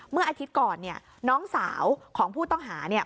เมื่ออาทิตย์ก่อนเนี่ยน้องสาวของผู้ต้องหาเนี่ย